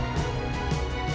ninci atau cukup cepat